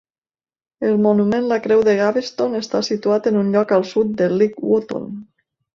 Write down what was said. El monument "La Creu de Gaveston" està situat en un lloc al sud de Leek Wootton.